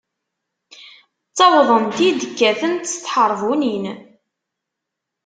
Ttawḍen-t-id, kkaten-t s tḥeṛbunin.